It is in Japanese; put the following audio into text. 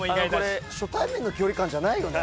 これ初対面の距離感じゃないよね。